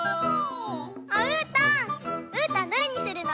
うーたんうーたんどれにするの？